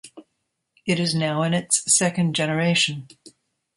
It is now in its second generation.